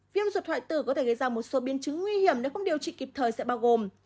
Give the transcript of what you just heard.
viêm ruột hoại tử có thể gây ra một số biến chứng nguy hiểm nếu không điều trị kịp thời sẽ bao gồm